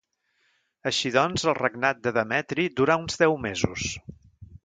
Així doncs, el regnat de Demetri durà uns deu mesos.